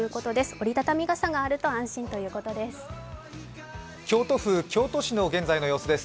折り畳み傘があると安心ということです。